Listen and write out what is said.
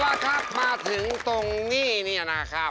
เอาล่ะครับมาถึงตรงนี้นะครับ